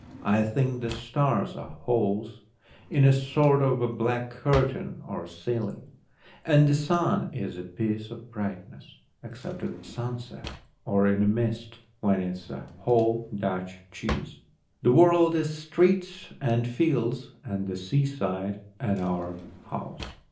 I think the stars are holes in a sort of black curtain or ceiling, and the sun is a piece of brightness, except at sunset or in a mist, when it is a whole Dutch cheese. The world is streets and fields and the seaside and our house.